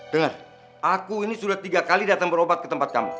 dengar aku ini sudah tiga kali datang berobat ke tempat kamu